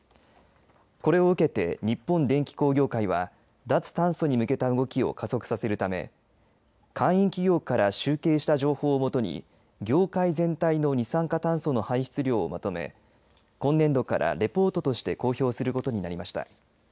これを受けて日本電機工業会は脱炭素に向けた動きを加速させるため会員企業から集計した情報をもとに業界全体の二酸化炭素の排出量をまとめ今年度からレポートとして公表することになりました。